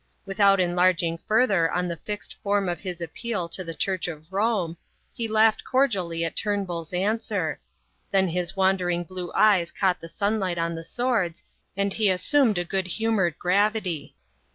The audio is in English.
Without enlarging further on the fixed form of his appeal to the Church of Rome, he laughed cordially at Turnbull's answer; then his wandering blue eyes caught the sunlight on the swords, and he assumed a good humoured gravity.